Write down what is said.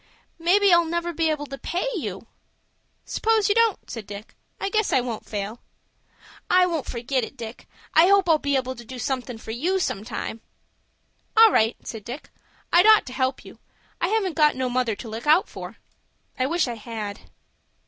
"Maybe I'll never be able to pay you." "S'pose you don't," said Dick; "I guess I won't fail." "I won't forget it, Dick. I hope I'll be able to do somethin' for you sometime." "All right," said Dick. "I'd ought to help you. I haven't got no mother to look out for. I wish I had."